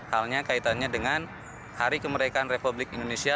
halnya kaitannya dengan hari kemerdekaan republik indonesia